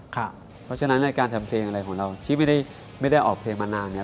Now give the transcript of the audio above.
เพราะฉะนั้นในการทำเพลงอะไรของเราที่ไม่ได้ออกเพลงมานานเนี่ย